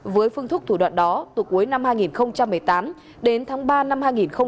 với phương thức thủ đoạn đó từ cuối năm hai nghìn một mươi tám đến tháng ba năm hai nghìn một mươi chín